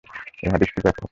এ হাদীসটি ব্যাপক।